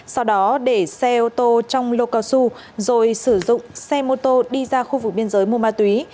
sau đó để xe ô tô trong lô cao su rồi sử dụng xe mô tô đi ra khu vực biên giới mua ma túy